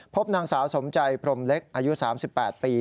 พบนางสาวสมใจพรมเล็กอายุ๓๘ปี